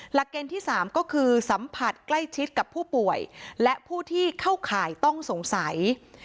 เกณฑ์ที่๓ก็คือสัมผัสใกล้ชิดกับผู้ป่วยและผู้ที่เข้าข่ายต้องสงสัย